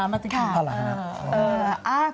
มาจึงทางกล่าวแล้ว